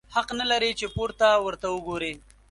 حق نه لرې چي پورته ورته وګورې!